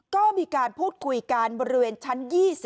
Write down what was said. ก็มีการพูดคุยกันบริเวณชั้น๒๐